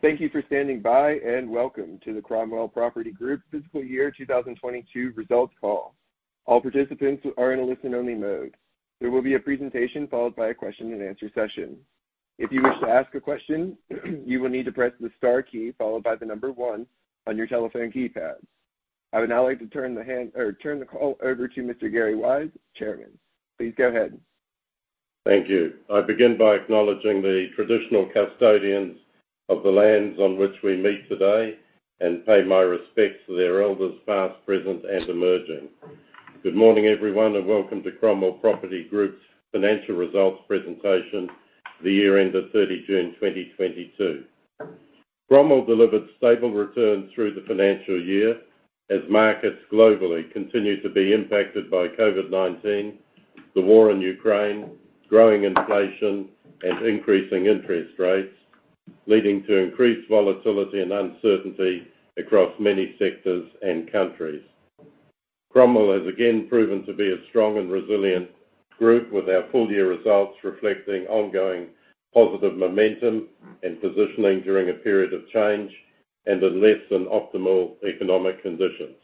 Thank you for standing by, and welcome to the Cromwell Property Group Fiscal Year 2022 Results Call. All participants are in a listen-only mode. There will be a presentation followed by a question and answer session. If you wish to ask a question, you will need to press the star key followed by the number 1 on your telephone keypads. I would now like to turn the call over to Mr. Gary Weiss, Chairman. Please go ahead. Thank you. I begin by acknowledging the traditional custodians of the lands on which we meet today and pay my respects to their elders, past, present, and emerging. Good morning, everyone, and welcome to Cromwell Property Group's financial results presentation, the year-end of 30 June 2022. Cromwell delivered stable returns through the financial year as markets globally continued to be impacted by COVID-19, the war in Ukraine, growing inflation, and increasing interest rates, leading to increased volatility and uncertainty across many sectors and countries. Cromwell has again proven to be a strong and resilient group, with our full year results reflecting ongoing positive momentum and positioning during a period of change and in less than optimal economic conditions.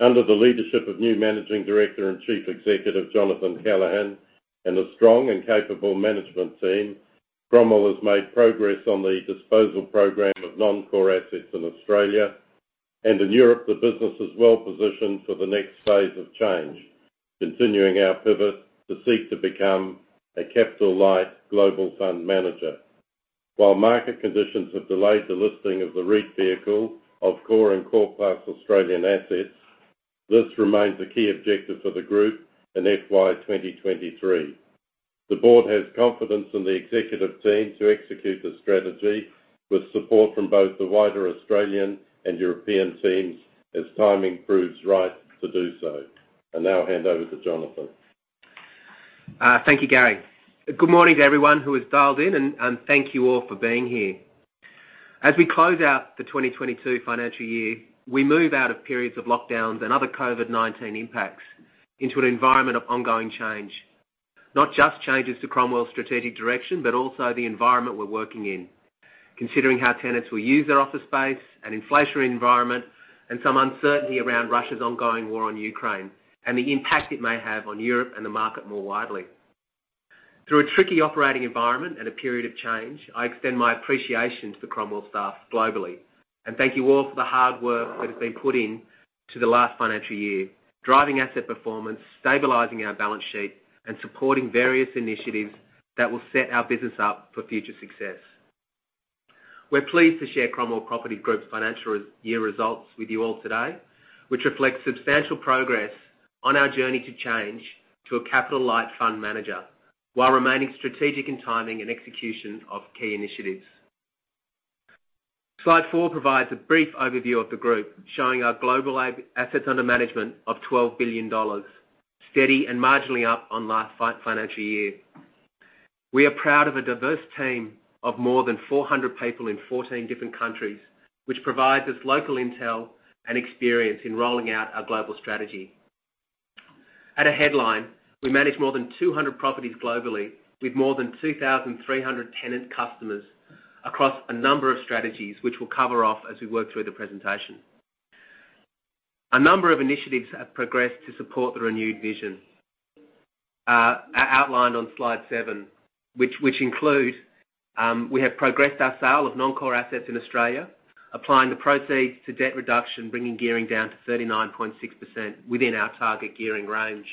Under the leadership of new Managing Director and Chief Executive, Jonathan Callaghan, and a strong and capable management team, Cromwell has made progress on the disposal program of non-core assets in Australia, and in Europe, the business is well-positioned for the next phase of change, continuing our pivot to seek to become a capital-light global fund manager. While market conditions have delayed the listing of the REIT vehicle of core and core plus Australian assets, this remains a key objective for the group in FY 2023. The board has confidence in the executive team to execute the strategy with support from both the wider Australian and European teams as timing proves right to do so. I now hand over to Jonathan. Thank you, Gary. Good morning to everyone who has dialed in and thank you all for being here. As we close out the 2022 financial year, we move out of periods of lockdowns and other COVID-19 impacts into an environment of ongoing change. Not just changes to Cromwell's strategic direction, but also the environment we're working in, considering how tenants will use their office space and inflationary environment and some uncertainty around Russia's ongoing war on Ukraine and the impact it may have on Europe and the market more widely. Through a tricky operating environment and a period of change, I extend my appreciation to the Cromwell staff globally. Thank you all for the hard work that has been put in to the last financial year, driving asset performance, stabilizing our balance sheet, and supporting various initiatives that will set our business up for future success. We're pleased to share Cromwell Property Group's financial year results with you all today, which reflects substantial progress on our journey to change to a capital light fund manager, while remaining strategic in timing and execution of key initiatives. Slide four provides a brief overview of the group, showing our global assets under management of 12 billion dollars, steady and marginally up on last financial year. We are proud of a diverse team of more than 400 people in 14 different countries, which provides us local intel and experience in rolling out our global strategy. At a headline, we manage more than 200 properties globally with more than 2,300 tenant customers across a number of strategies, which we'll cover off as we work through the presentation. A number of initiatives have progressed to support the renewed vision, outlined on slide seven, which include we have progressed our sale of non-core assets in Australia, applying the proceeds to debt reduction, bringing gearing down to 39.6% within our target gearing range.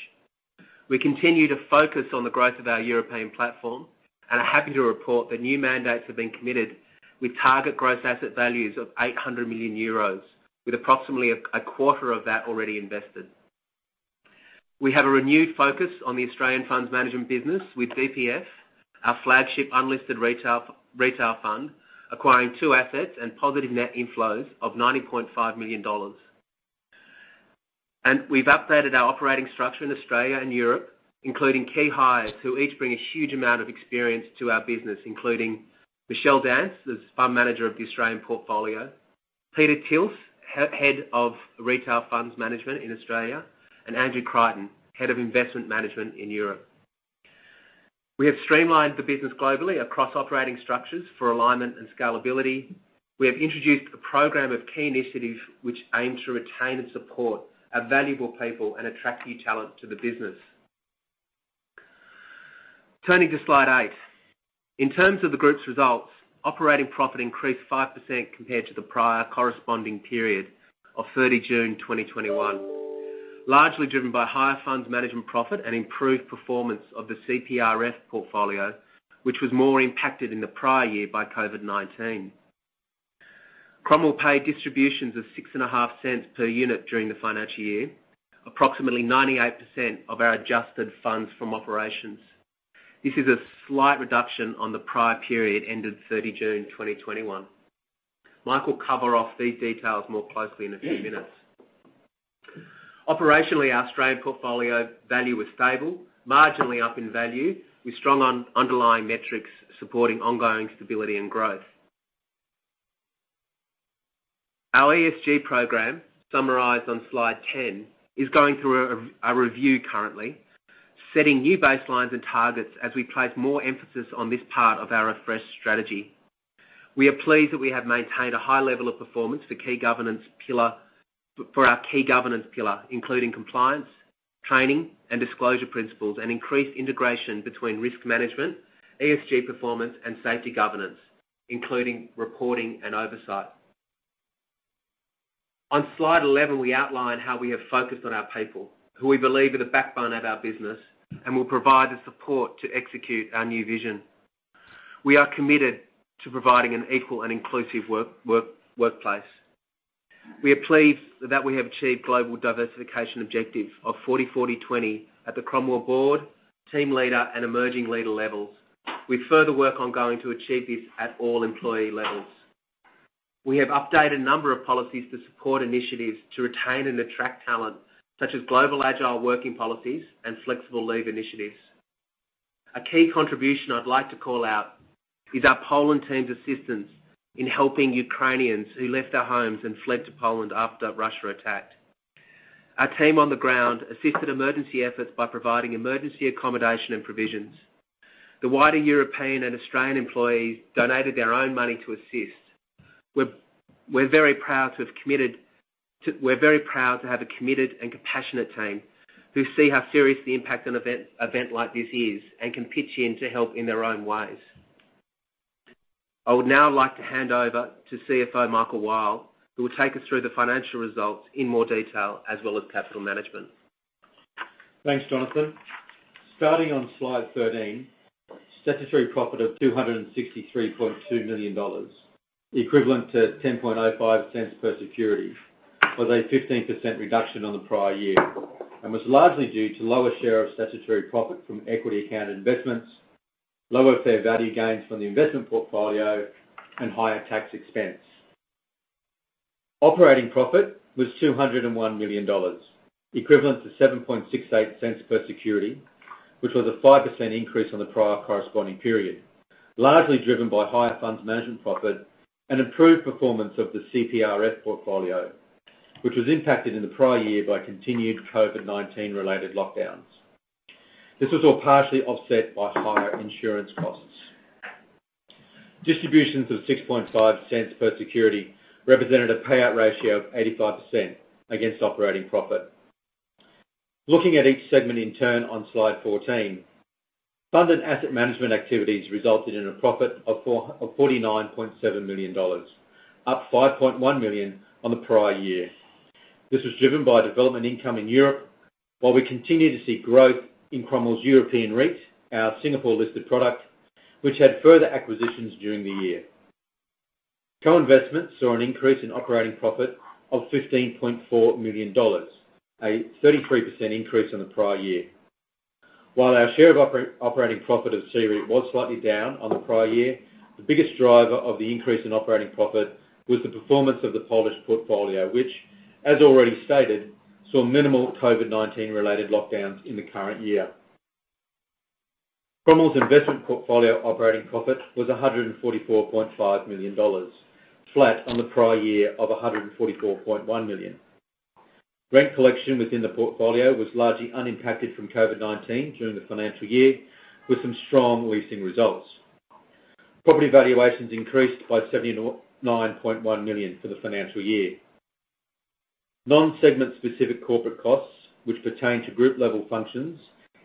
We continue to focus on the growth of our European platform and are happy to report that new mandates have been committed with target gross asset values of 800 million euros, with approximately a quarter of that already invested. We have a renewed focus on the Australian funds management business with DPF, our flagship unlisted retail fund, acquiring two assets and positive net inflows of 90.5 million dollars. We've updated our operating structure in Australia and Europe, including key hires who each bring a huge amount of experience to our business, including Michelle Dance as fund manager of the Australian portfolio, Peta Tilse, Head of Retail Funds Management in Australia, and Andrew Creighton, Head of Investment Management in Europe. We have streamlined the business globally across operating structures for alignment and scalability. We have introduced a program of key initiatives which aim to retain and support our valuable people and attract new talent to the business. Turning to slide eight. In terms of the group's results, operating profit increased 5% compared to the prior corresponding period of 30 June 2021, largely driven by higher funds management profit and improved performance of the CPRF portfolio, which was more impacted in the prior year by COVID-19. Cromwell paid distributions of 6.5 cents per unit during the financial year, approximately 98% of our adjusted funds from operations. This is a slight reduction on the prior period ended 30 June 2021. Mike will cover off these details more closely in a few minutes. Operationally, our Australian portfolio value was stable, marginally up in value, with strong underlying metrics supporting ongoing stability and growth. Our ESG program, summarized on slide 10, is going through a review currently, setting new baselines and targets as we place more emphasis on this part of our refreshed strategy. We are pleased that we have maintained a high level of performance for our key governance pillar, including compliance, training, and disclosure principles, and increased integration between risk management, ESG performance, and safety governance, including reporting and oversight. On slide 11, we outline how we have focused on our people, who we believe are the backbone of our business and will provide the support to execute our new vision. We are committed to providing an equal and inclusive workplace. We are pleased that we have achieved global diversification objective of 40/40/20 at the Cromwell board, team leader, and emerging leader levels, with further work ongoing to achieve this at all employee levels. We have updated a number of policies to support initiatives to retain and attract talent, such as global agile working policies and flexible leave initiatives. A key contribution I'd like to call out is our Poland team's assistance in helping Ukrainians who left their homes and fled to Poland after Russia attacked. Our team on the ground assisted emergency efforts by providing emergency accommodation and provisions. The wider European and Australian employees donated their own money to assist. We're very proud to have a committed and compassionate team who see how serious the impact an event like this is and can pitch in to help in their own ways. I would now like to hand over to CFO Michael Wilde, who will take us through the financial results in more detail, as well as capital management. Thanks, Jonathan. Starting on slide 13, statutory profit of 263.2 million dollars, equivalent to 0.1005 per security, was a 15% reduction on the prior year and was largely due to lower share of statutory profit from equity account investments, lower fair value gains from the investment portfolio, and higher tax expense. Operating profit was 201 million dollars, equivalent to 0.0768 per security, which was a 5% increase on the prior corresponding period, largely driven by higher funds management profit and improved performance of the CPRF portfolio, which was impacted in the prior year by continued COVID-19 related lockdowns. This was all partially offset by higher insurance costs. Distributions of 0.065 per security represented a payout ratio of 85% against operating profit. Looking at each segment in turn on slide 14, funds management activities resulted in a profit of 49.7 million dollars, up 5.1 million on the prior year. This was driven by development income in Europe, while we continue to see growth in Cromwell's European REIT, our Singapore-listed product, which had further acquisitions during the year. Co-investments saw an increase in operating profit of 15.4 million dollars, a 33% increase on the prior year. While our share of operating profit of C-REIT was slightly down on the prior year, the biggest driver of the increase in operating profit was the performance of the Polish portfolio, which, as already stated, saw minimal COVID-19 related lockdowns in the current year. Cromwell's investment portfolio operating profit was 144.5 million dollars, flat on the prior year of 144.1 million. Rent collection within the portfolio was largely unimpacted from COVID-19 during the financial year, with some strong leasing results. Property valuations increased by 79.1 million for the financial year. Non-segment specific corporate costs, which pertain to group-level functions,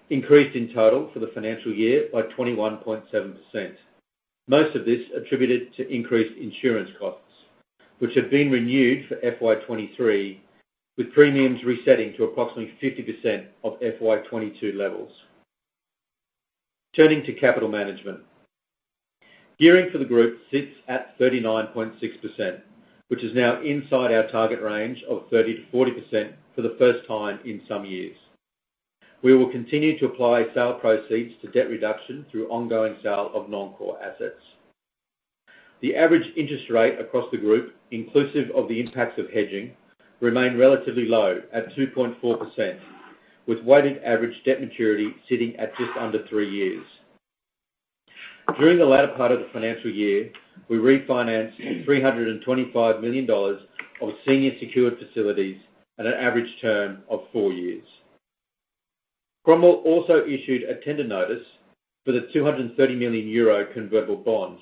increased in total for the financial year by 21.7%. Most of this attributed to increased insurance costs, which have been renewed for FY23, with premiums resetting to approximately 50% of FY22 levels. Turning to capital management. Gearing for the group sits at 39.6%, which is now inside our target range of 30%-40% for the first time in some years. We will continue to apply sale proceeds to debt reduction through ongoing sale of non-core assets. The average interest rate across the group, inclusive of the impacts of hedging, remain relatively low at 2.4%, with weighted average debt maturity sitting at just under three years. During the latter part of the financial year, we refinanced 325 million dollars of senior secured facilities at an average term of four years. Cromwell also issued a tender notice for the 230 million euro convertible bond,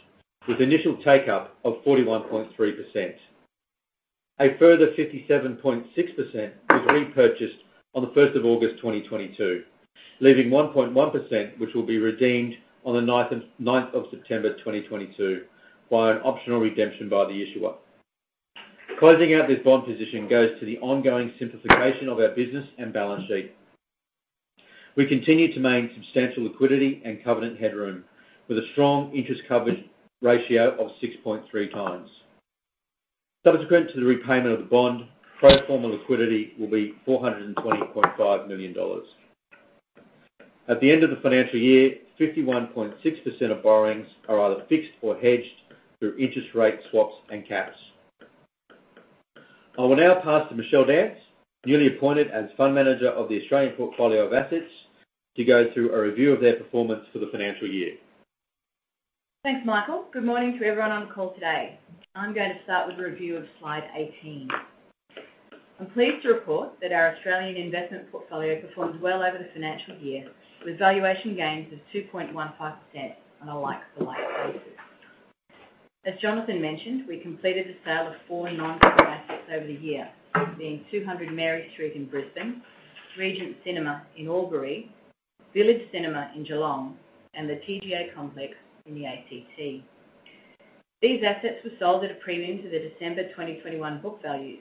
with initial take-up of 41.3%. A further 57.6% was repurchased on the first of August 2022, leaving 1.1%, which will be redeemed on the ninth of September 2022 by an optional redemption by the issuer. Closing out this bond position goes to the ongoing simplification of our business and balance sheet. We continue to maintain substantial liquidity and covenant headroom, with a strong interest coverage ratio of 6.3x. Subsequent to the repayment of the bond, pro forma liquidity will be 420.5 million dollars. At the end of the financial year, 51.6% of borrowings are either fixed or hedged through interest rate swaps and caps. I will now pass to Michelle Dance, newly appointed as fund manager of the Australian portfolio of assets, to go through a review of their performance for the financial year. Thanks, Michael. Good morning to everyone on the call today. I'm going to start with a review of slide 18. I'm pleased to report that our Australian investment portfolio performed well over the financial year, with valuation gains of 2.15% on a like-for-like basis. As Jonathan mentioned, we completed the sale of 4 non-core assets over the year, being 200 Mary Street in Brisbane, Regent Cinema in Albury, Village Cinema in Geelong, and the ATO complex in the ACT. These assets were sold at a premium to the December 2021 book values,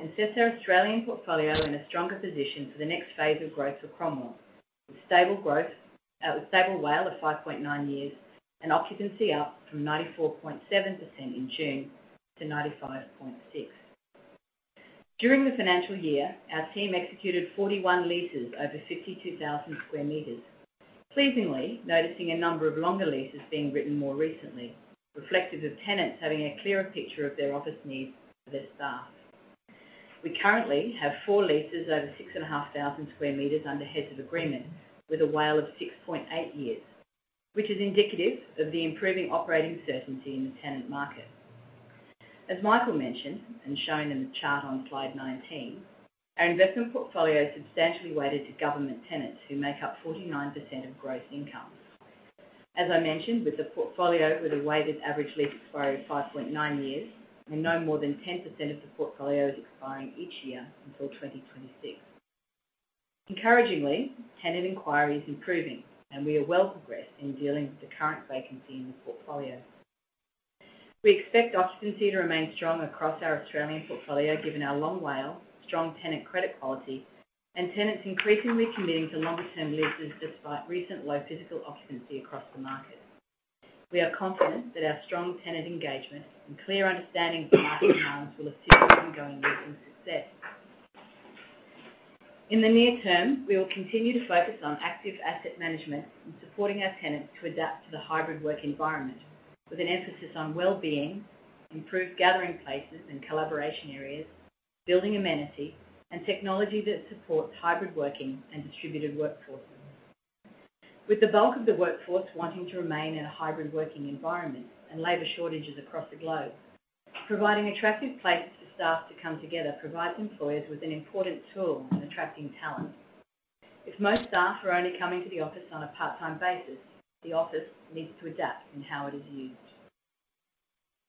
and sets our Australian portfolio in a stronger position for the next phase of growth for Cromwell. A stable WALE of 5.9 years, and occupancy up from 94.7% in June to 95.6%. During the financial year, our team executed 41 leases over 62,000 square meters. Pleasingly, noticing a number of longer leases being written more recently, reflective of tenants having a clearer picture of their office needs for their staff. We currently have four leases over 6,500 square meters under heads of agreement with a WALE of 6.8 years, which is indicative of the improving operating certainty in the tenant market. As Michael mentioned, and shown in the chart on slide 19, our investment portfolio is substantially weighted to government tenants who make up 49% of gross income. As I mentioned, with the portfolio a weighted average lease expiry of 5.9 years, and no more than 10% of the portfolio is expiring each year until 2026. Encouragingly, tenant inquiry is improving and we are well progressed in dealing with the current vacancy in the portfolio. We expect occupancy to remain strong across our Australian portfolio, given our long WALE, strong tenant credit quality, and tenants increasingly committing to longer term leases despite recent low physical occupancy across the market. We are confident that our strong tenant engagement and clear understanding of the market demands will assist our ongoing leasing success. In the near term, we will continue to focus on active asset management and supporting our tenants to adapt to the hybrid work environment, with an emphasis on well-being, improved gathering places and collaboration areas, building amenity, and technology that supports hybrid working and distributed workforces. With the bulk of the workforce wanting to remain in a hybrid working environment and labor shortages across the globe, providing attractive places for staff to come together provides employers with an important tool in attracting talent. If most staff are only coming to the office on a part-time basis, the office needs to adapt in how it is used.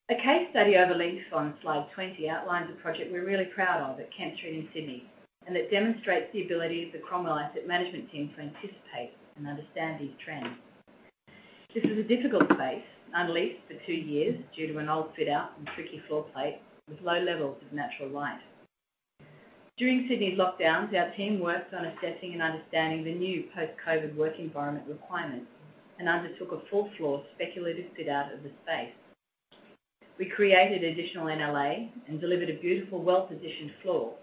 A case study overleaf on slide 20 outlines a project we're really proud of at Kent Street in Sydney, and it demonstrates the ability of the Cromwell asset management team to anticipate and understand these trends. This is a difficult space, unleased for two years due to an old fit-out and tricky floor plate with low levels of natural light. During Sydney's lockdowns, our team worked on assessing and understanding the new post-COVID work environment requirements, and undertook a full floor speculative fit-out of the space. We created additional NLA and delivered a beautiful, well-positioned floor,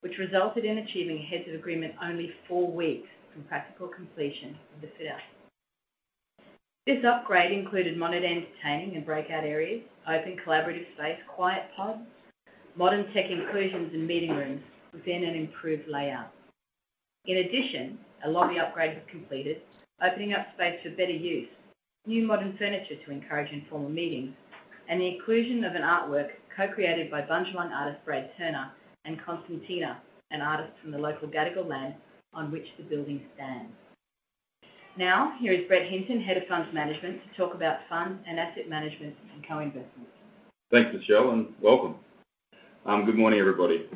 which resulted in achieving heads of agreement only four weeks from practical completion of the fit-out. This upgrade included modern entertaining and breakout areas, open collaborative space, quiet pods, modern tech inclusions and meeting rooms within an improved layout. In addition, a lobby upgrade was completed, opening up space for better use, new modern furniture to encourage informal meetings, and the inclusion of an artwork co-created by Bundjalung artist Brad Turner and Constantina, an artist from the local Gadigal land on which the building stands. Now, here is Brett Hinton, Head of Funds Management, to talk about funds and asset management and co-investments. Thanks, Michelle, and welcome. Good morning, everybody.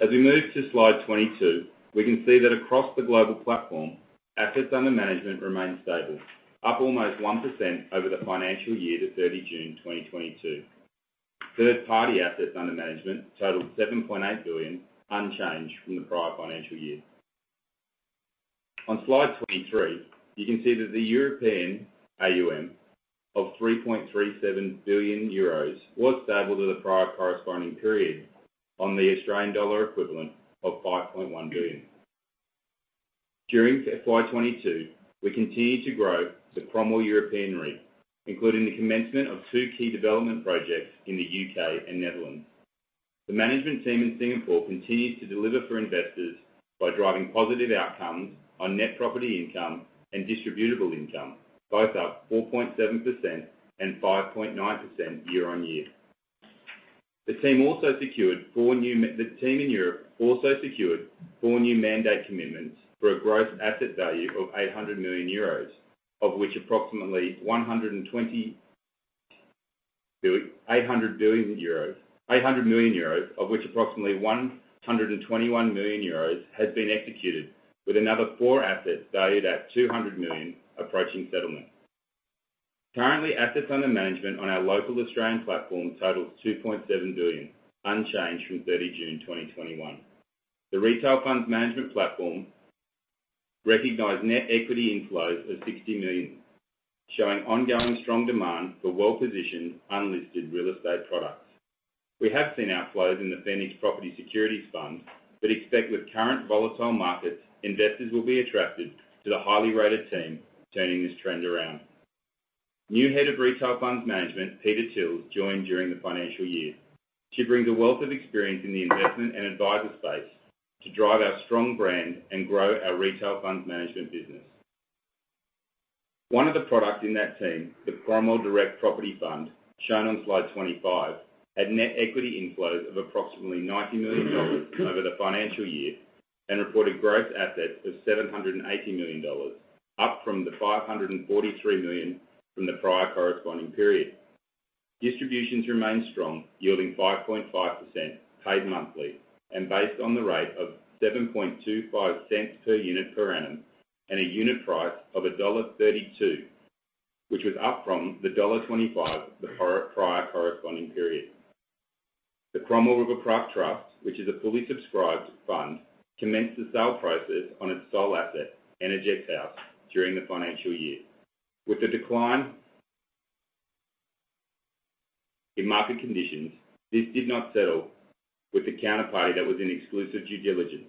As we move to slide 22, we can see that across the global platform, assets under management remain stable, up almost 1% over the financial year to 30 June 2022. Third party assets under management totaled 7.8 billion, unchanged from the prior financial year. On slide 23, you can see that the European AUM of 3.37 billion euros was stable to the prior corresponding period on the Australian dollar equivalent of 5.1 billion. During FY22, we continued to grow the Cromwell European REIT, including the commencement of two key development projects in the UK and Netherlands. The management team in Singapore continued to deliver for investors by driving positive outcomes on net property income and distributable income, both up 4.7% and 5.9% year-on-year. The team in Europe also secured four new mandate commitments for a gross asset value of 800 million euros, of which approximately 121 million euros has been executed, with another four assets valued at 200 million approaching settlement. Currently, assets under management on our local Australian platform totals 2.7 billion, unchanged from 30 June 2021. The Retail Funds Management platform recognized net equity inflows of 60 million, showing ongoing strong demand for well-positioned unlisted real estate products. We have seen outflows in the Cromwell Phoenix Property Securities Fund, but expect with current volatile markets, investors will be attracted to the highly rated team turning this trend around. New Head of Retail Funds Management, Peta Tilse, joined during the financial year. She brings a wealth of experience in the investment and advisor space to drive our strong brand and grow our retail funds management business. One of the products in that team, the Cromwell Direct Property Fund, shown on slide 25, had net equity inflows of approximately 90 million dollars over the financial year and reported gross assets of 780 million dollars, up from the 543 million from the prior corresponding period. Distributions remain strong, yielding 5.5%, paid monthly, and based on the rate of 0.0725 per unit per annum, and a unit price of dollar 1.32, which was up from the dollar 1.25 the prior corresponding period. The Cromwell Riverpark Trust, which is a fully subscribed fund, commenced the sale process on its sole asset, Energex House, during the financial year. With the decline in market conditions, this did not settle with the counterparty that was in exclusive due diligence.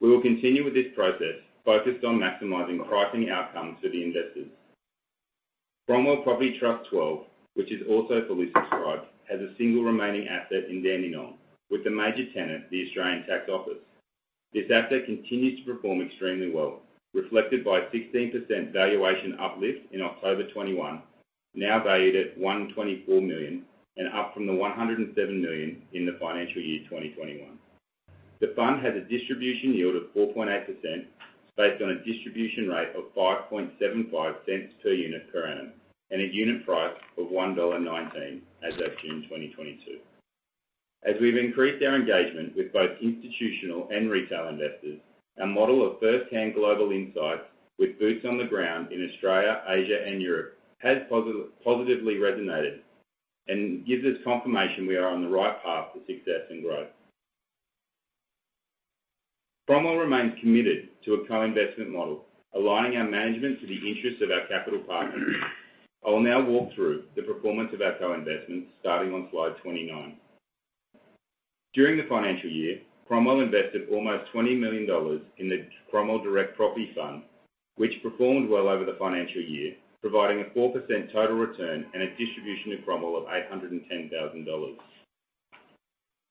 We will continue with this process, focused on maximizing pricing outcomes for the investors. Cromwell Property Trust 12, which is also fully subscribed, has a single remaining asset in Dandenong, with the major tenant, the Australian Taxation Office. This asset continues to perform extremely well, reflected by 16% valuation uplift in October 2021, now valued at 124 million, up from 107 million in the financial year 2021. The fund has a distribution yield of 4.8% based on a distribution rate of 0.0575 per unit per annum, and a unit price of 1.19 dollar as at June 2022. We've increased our engagement with both institutional and retail investors, our model of first-hand global insights with boots on the ground in Australia, Asia, and Europe has positively resonated and gives us confirmation we are on the right path to success and growth. Cromwell remains committed to a co-investment model, aligning our management to the interests of our capital partners. I will now walk through the performance of our co-investments, starting on slide 29. During the financial year, Cromwell invested almost 20 million dollars in the Cromwell Direct Property Fund, which performed well over the financial year, providing a 4% total return and a distribution to Cromwell of 810,000 dollars.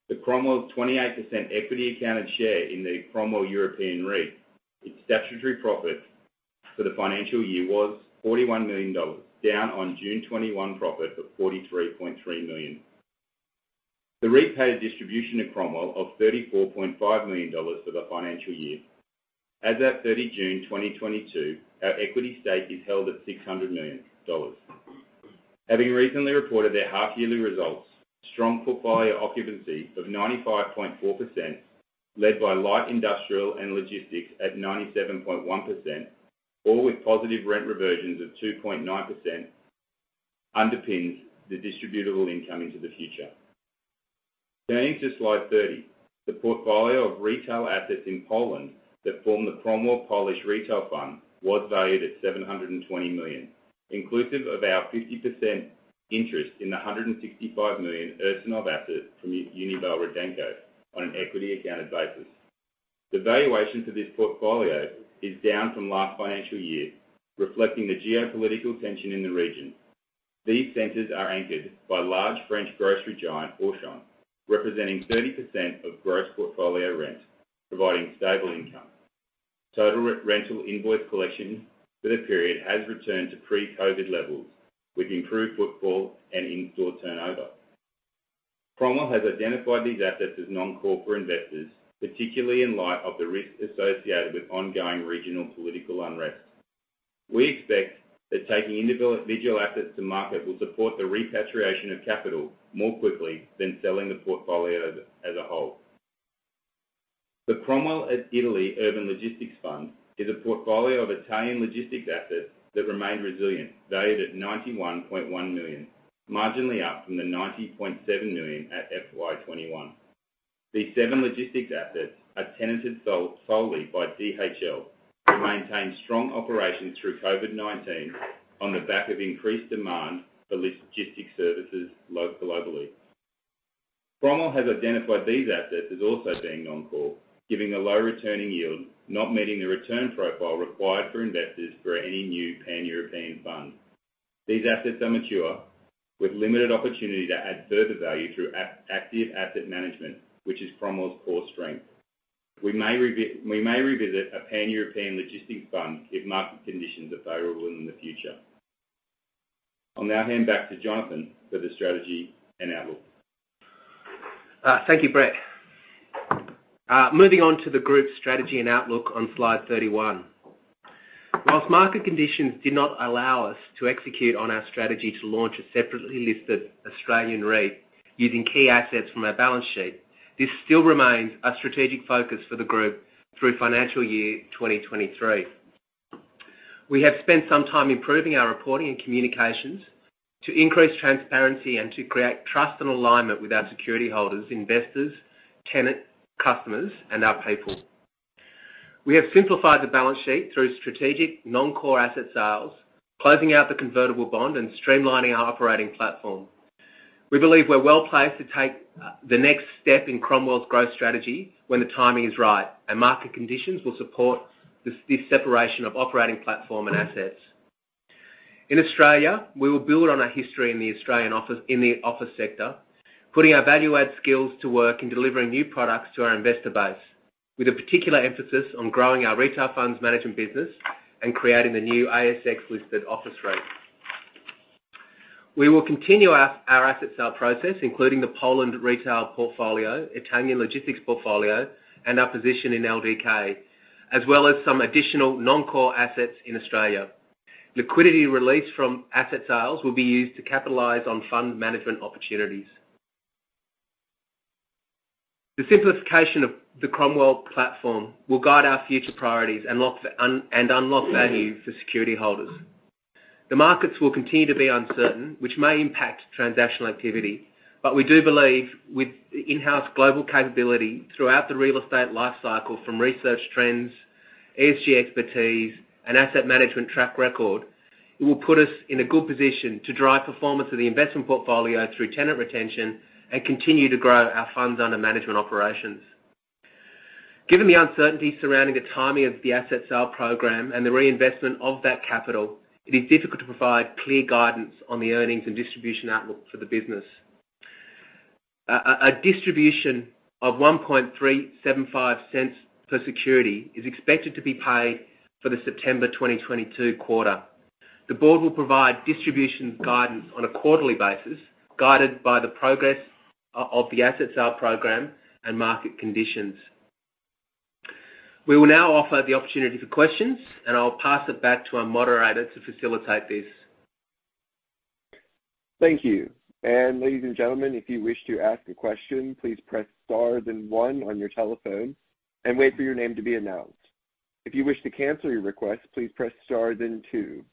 The Cromwell's 28% equity accounted share in the Cromwell European REIT, its statutory profit for the financial year was 41 million dollars, down on June 2021 profit of 43.3 million. The REIT paid a distribution to Cromwell of 34.5 million dollars for the financial year. As at 30 June 2022, our equity stake is held at 600 million dollars. Having recently reported their half-yearly results, strong portfolio occupancy of 95.4%, led by light industrial and logistics at 97.1%, all with positive rent reversions of 2.9%, underpins the distributable income into the future. Turning to slide 30, the portfolio of retail assets in Poland that form the Cromwell Polish Retail Fund was valued at 720 million, inclusive of our 50% interest in the 165 million Ursynów asset from Unibail-Rodamco, on an equity accounted basis. The valuation for this portfolio is down from last financial year, reflecting the geopolitical tension in the region. These centers are anchored by large French grocery giant, Auchan, representing 30% of gross portfolio rent, providing stable income. Total rental invoice collection for the period has returned to pre-COVID-19 levels with improved footfall and in-store turnover. Cromwell has identified these assets as non-core for investors, particularly in light of the risk associated with ongoing regional political unrest. We expect that taking individual assets to market will support the repatriation of capital more quickly than selling the portfolio as a whole. The Cromwell Italy Urban Logistics Fund is a portfolio of Italian logistics assets that remain resilient, valued at 91.1 million, marginally up from the 90.7 million at FY21. These seven logistics assets are tenanted solely by DHL, who maintained strong operations through COVID-19 on the back of increased demand for logistic services globally. Cromwell has identified these assets as also being non-core, giving a low returning yield, not meeting the return profile required for investors for any new Pan-European fund. These assets are mature, with limited opportunity to add further value through active asset management, which is Cromwell's core strength. We may revisit a Pan-European logistics fund if market conditions are favorable in the future. I'll now hand back to Jonathan for the strategy and outlook. Thank you, Brett. Moving on to the group strategy and outlook on slide 31. While market conditions did not allow us to execute on our strategy to launch a separately listed Australian REIT using key assets from our balance sheet, this still remains a strategic focus for the group through financial year 2023. We have spent some time improving our reporting and communications to increase transparency and to create trust and alignment with our security holders, investors, tenant, customers, and our people. We have simplified the balance sheet through strategic non-core asset sales, closing out the convertible bond, and streamlining our operating platform. We believe we're well-placed to take the next step in Cromwell's growth strategy when the timing is right and market conditions will support this separation of operating platform and assets. In Australia, we will build on our history in the Australian office, in the office sector, putting our value add skills to work in delivering new products to our investor base, with a particular emphasis on growing our retail funds management business and creating the new ASX listed office REIT. We will continue our asset sale process, including the Poland retail portfolio, Italian logistics portfolio, and our position in LDK, as well as some additional non-core assets in Australia. Liquidity release from asset sales will be used to capitalize on fund management opportunities. The simplification of the Cromwell platform will guide our future priorities and unlock value for security holders. The markets will continue to be uncertain, which may impact transactional activity. We do believe with in-house global capability throughout the real estate life cycle from research trends, ESG expertise, and asset management track record, it will put us in a good position to drive performance of the investment portfolio through tenant retention and continue to grow our funds under management operations. Given the uncertainty surrounding the timing of the asset sale program and the reinvestment of that capital, it is difficult to provide clear guidance on the earnings and distribution outlook for the business. A distribution of 0.01375 per security is expected to be paid for the September 2022 quarter. The board will provide distribution guidance on a quarterly basis, guided by the progress of the asset sale program and market conditions. We will now offer the opportunity for questions, and I'll pass it back to our moderator to facilitate this. Thank you. Ladies and gentlemen, if you wish to ask a question, please press star then one on your telephone and wait for your name to be announced. If you wish to cancel your request, please press star then two.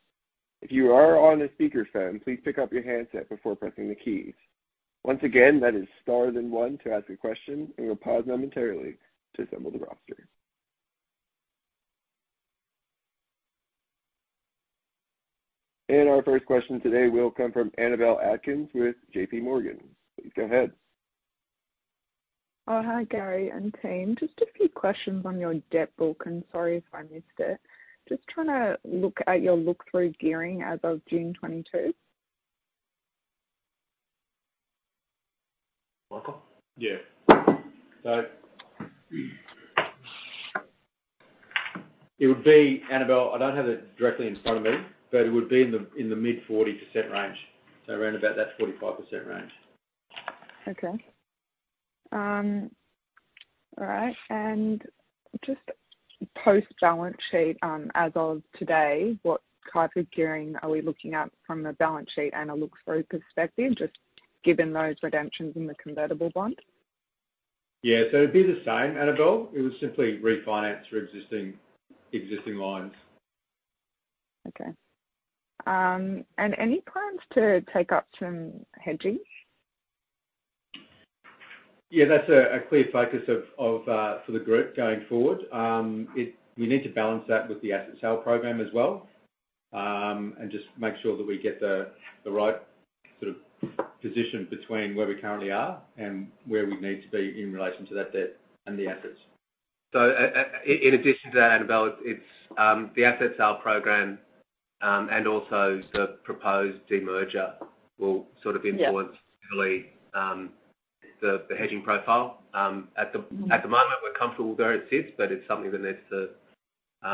If you are on a speakerphone, please pick up your handset before pressing the keys. Once again, that is star then one to ask a question, and we'll pause momentarily to assemble the roster. Our first question today will come from Annabel Atkins with JPMorgan. Please go ahead. Oh, hi, Gary and team. Just a few questions on your debt book, and sorry if I missed it. Just trying to look at your look-through gearing as of June 2022. Michael? Yeah. It would be, Annabel, I don't have it directly in front of me, but it would be in the mid-40% range, so around about that 45% range. Okay. All right. Just post-balance sheet, as of today, what type of gearing are we looking at from the balance sheet and a look-through perspective, just given those redemptions in the convertible bonds? Yeah. It'd be the same, Annabel. It was simply refinance for existing lines. Okay. Any plans to take up some hedging? Yeah, that's a clear focus for the group going forward. You need to balance that with the asset sale program as well, and just make sure that we get the right sort of position between where we currently are and where we need to be in relation to that debt and the assets. In addition to that, Annabel, it's the asset sale program and also the proposed demerger will sort of influence- Yeah. Really, the hedging profile. At the moment, we're comfortable where it sits, but it's something that needs to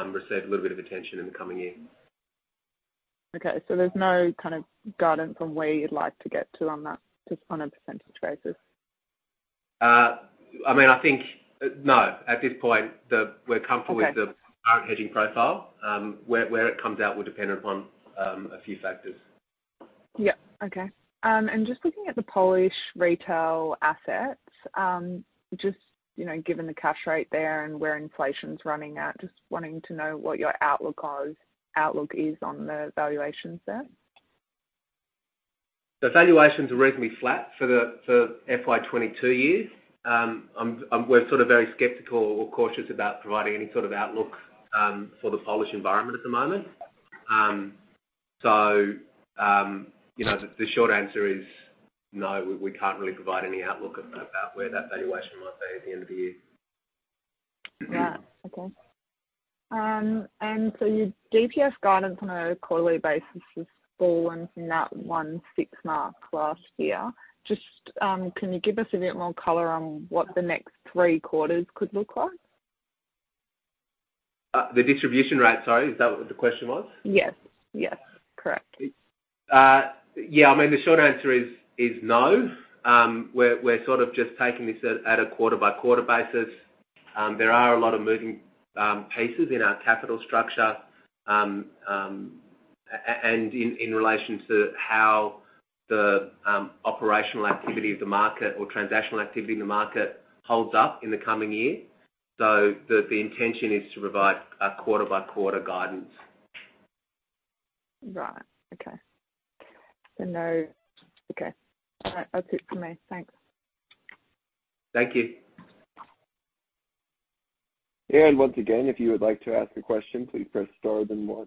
receive a little bit of attention in the coming year. Okay. There's no kind of guidance on where you'd like to get to on that, just on a percentage basis. I mean, at this point, we're comfortable. Okay. With the current hedging profile. Where it comes out will depend on a few factors. Yeah. Okay. Just looking at the Polish retail assets, just, you know, given the cash rate there and where inflation's running at, just wanting to know what your outlook is on the valuations there? The valuations are reasonably flat for FY22 year. We're sort of very skeptical or cautious about providing any sort of outlook for the Polish environment at the moment. You know, the short answer is no. We can't really provide any outlook about where that valuation might be at the end of the year. Right. Okay. Your DPS guidance on a quarterly basis has fallen from that 1.6 mark last year. Just, can you give us a bit more color on what the next three quarters could look like? The distribution rate, sorry, is that what the question was? Yes. Yes. Correct. It's yeah, I mean, the short answer is no. We're sort of just taking this at a quarter-by-quarter basis. There are a lot of moving pieces in our capital structure and in relation to how the operational activity of the market or transactional activity in the market holds up in the coming year. The intention is to provide a quarter-by-quarter guidance. Right. Okay. All right. That's it from me. Thanks. Thank you. Once again, if you would like to ask a question, please press star then one.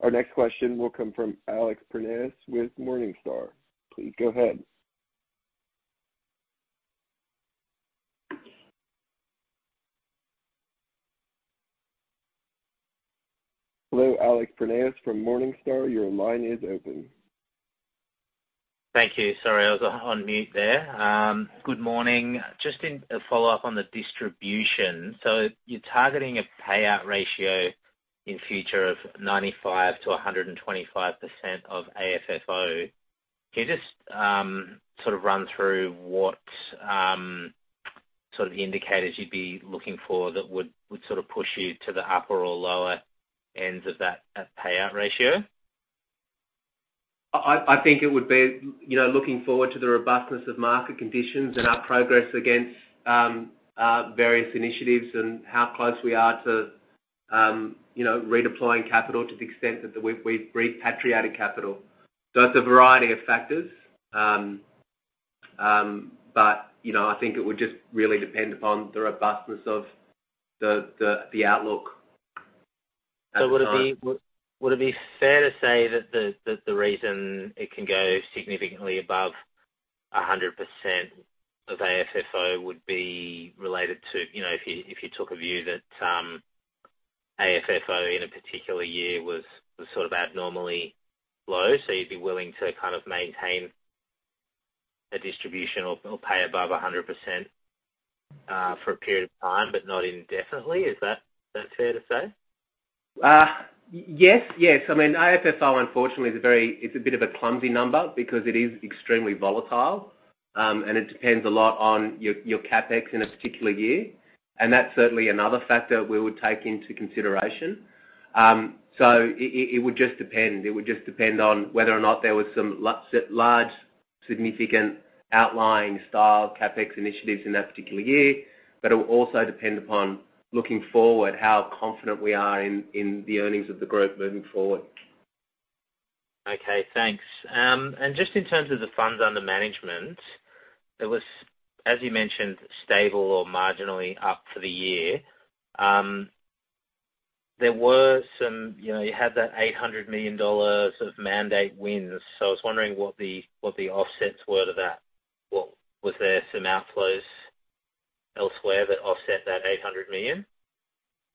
Our next question will come from Alex Prineas with Morningstar. Please go ahead. Hello, Alex Prineas from Morningstar, your line is open. Thank you. Sorry, I was on mute there. Good morning. Just in a follow-up on the distribution. You're targeting a payout ratio in future of 95%-125% of AFFO. Can you just sort of run through what sort of the indicators you'd be looking for that would sort of push you to the upper or lower ends of that payout ratio? I think it would be, you know, looking forward to the robustness of market conditions and our progress against various initiatives and how close we are to, you know, redeploying capital to the extent that we've repatriated capital. It's a variety of factors. You know, I think it would just really depend upon the robustness of the outlook at the time. Would it be fair to say that the reason it can go significantly above 100% of AFFO would be related to, you know, if you took a view that AFFO in a particular year was sort of abnormally low, so you'd be willing to kind of maintain a distribution or pay above 100%, for a period of time, but not indefinitely? Is that fair to say? Yes, yes. I mean, AFFO unfortunately is a bit of a clumsy number because it is extremely volatile, and it depends a lot on your CapEx in a particular year, and that's certainly another factor we would take into consideration. It would just depend. It would just depend on whether or not there was some large significant outlier-style CapEx initiatives in that particular year. It will also depend upon looking forward, how confident we are in the earnings of the group moving forward. Okay, thanks. Just in terms of the funds under management, it was, as you mentioned, stable or marginally up for the year. There were some, you know, you had that 800 million dollars of mandate wins, so I was wondering what the offsets were to that. Was there some outflows elsewhere that offset that 800 million?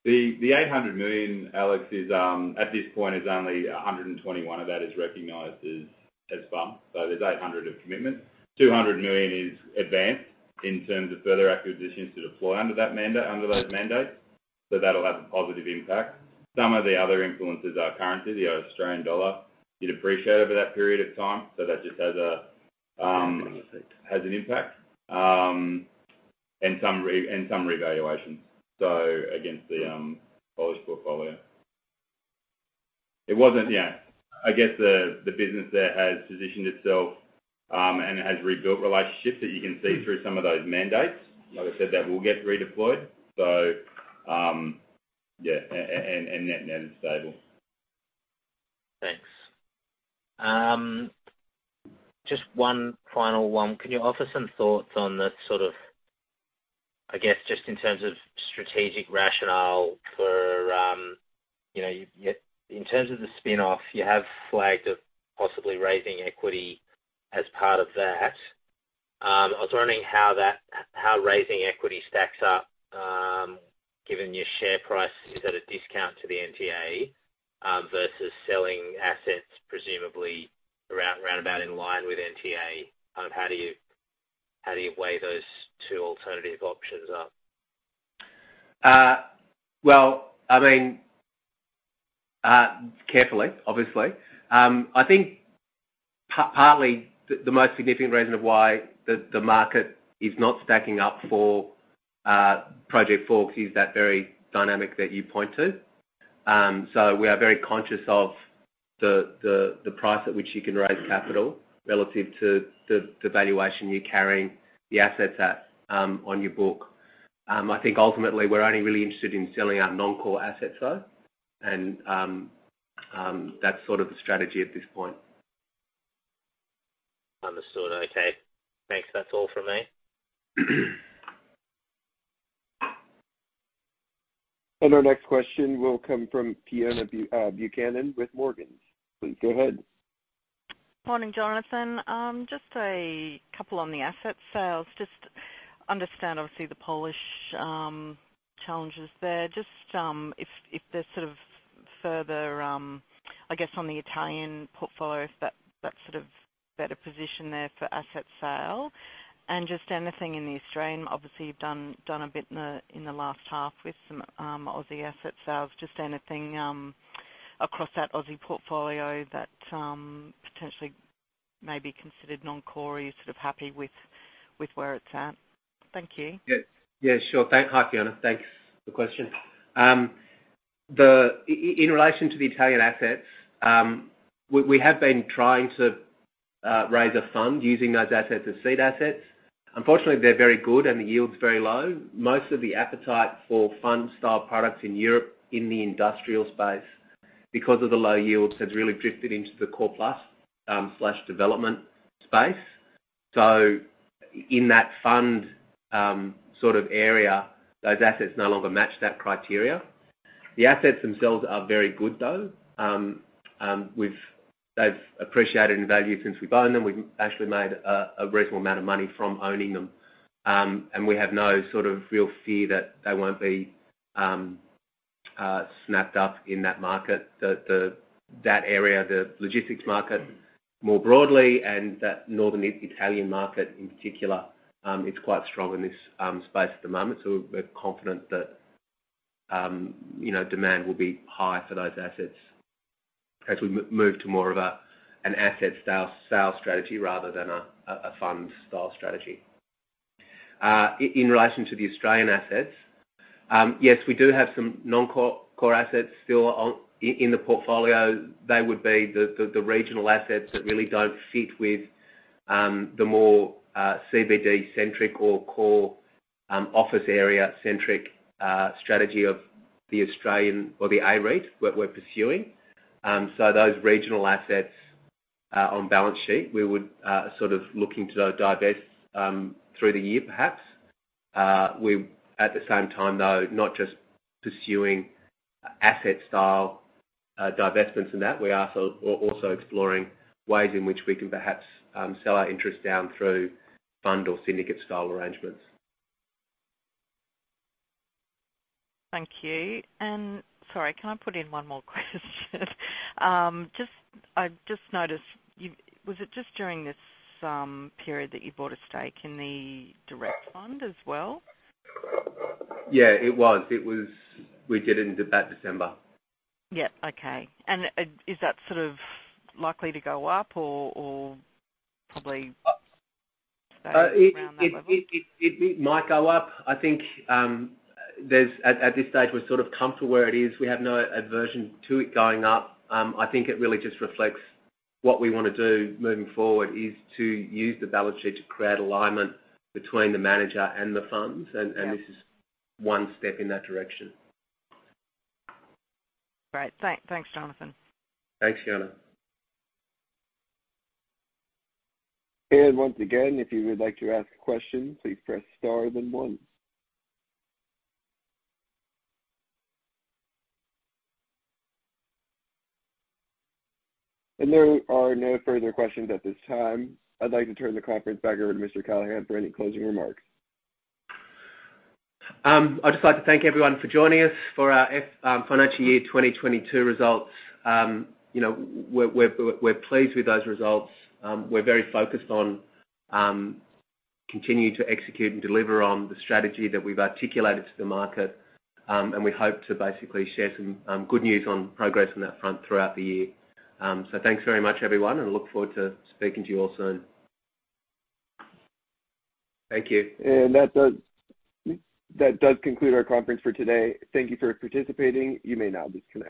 The 800 million, Alex, at this point, only 121 of that is recognized as funds. There's 800 of commitment. 200 million is advanced in terms of further acquisitions to deploy under that mandate, under those mandates. That'll have a positive impact. Some of the other influences are currency. The Australian dollar did appreciate over that period of time. Understood. Has an impact and some revaluation. Against the Polish portfolio. It wasn't, yeah. I guess the business there has positioned itself and has rebuilt relationships that you can see through some of those mandates. Like I said, that will get redeployed. Yeah, and that net is stable. Thanks. Just one final one. Can you offer some thoughts on the sort of, I guess, just in terms of strategic rationale for, you know, in terms of the spin-off, you have flagged of possibly raising equity as part of that. I was wondering how that, how raising equity stacks up, given your share price is at a discount to the NTA, versus selling assets, presumably around, roundabout in line with NTA. How do you weigh those two alternative options up? Well, I mean, carefully, obviously. I think partly the most significant reason of why the market is not stacking up for Project Phoenix is that very dynamic that you point to. We are very conscious of the price at which you can raise capital relative to the valuation you're carrying the assets at on your book. I think ultimately we're only really interested in selling our non-core assets, though, and that's sort of the strategy at this point. Understood. Okay. Thanks. That's all from me. Our next question will come from Fiona Buchanan with Morgans. Please go ahead. Morning, Jonathan. Just a couple on the asset sales. Just understand, obviously, the Polish challenges there. Just if there's sort of further, I guess, on the Italian portfolio, if that's sort of better positioned there for asset sale, and just anything in the Australian, obviously, you've done a bit in the last half with some Aussie asset sales. Just anything across that Aussie portfolio that potentially may be considered non-core or you're sort of happy with where it's at. Thank you. Yeah, yeah, sure. Hi, Fiona. Thanks for the question. In relation to the Italian assets, we have been trying to raise a fund using those assets as seed assets. Unfortunately, they're very good and the yield's very low. Most of the appetite for fund style products in Europe, in the industrial space, because of the low yields, has really drifted into the core plus slash development space. In that fund sort of area, those assets no longer match that criteria. The assets themselves are very good, though. They've appreciated in value since we've owned them. We've actually made a reasonable amount of money from owning them. We have no sort of real fear that they won't be snapped up in that market. That area, the logistics market more broadly, and that northern Italian market, in particular, is quite strong in this space at the moment. We're confident that, you know, demand will be high for those assets as we move to more of an asset style sales strategy rather than a fund style strategy. In relation to the Australian assets, yes, we do have some non-core core assets still in the portfolio. They would be the regional assets that really don't fit with the more CBD-centric or core office area centric strategy of the Australian AREIT we're pursuing. Those regional assets on balance sheet, we would sort of looking to divest through the year, perhaps. We, at the same time, though, not just pursuing asset sale divestments in that, we are also exploring ways in which we can perhaps sell our interest down through fund or syndicate-style arrangements. Thank you. Sorry, can I put in one more question? Just, I've just noticed. Was it just during this period that you bought a stake in the direct fund as well? Yeah, it was. We did it in about December. Yeah. Okay. Is that sort of likely to go up or probably stay around that level? It might go up. I think, at this stage, we're sort of comfortable where it is. We have no aversion to it going up. I think it really just reflects what we wanna do moving forward, is to use the balance sheet to create alignment between the manager and the funds. Yeah. This is one step in that direction. Great. Thanks, Jonathan. Thanks, Fiona Buchanan. Once again, if you would like to ask a question, please press star then one. There are no further questions at this time. I'd like to turn the conference back over to Mr. Callaghan for any closing remarks. I'd just like to thank everyone for joining us for our Financial Year 2022 results. You know, we're pleased with those results. We're very focused on continuing to execute and deliver on the strategy that we've articulated to the market. We hope to basically share some good news on progress on that front throughout the year. Thanks very much, everyone, and look forward to speaking to you all soon. Thank you. That does conclude our conference for today. Thank you for participating. You may now disconnect.